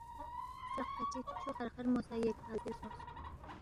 سترَقپا چِک چھُو خرخرمو سہ ییکھہ حاضر سونگس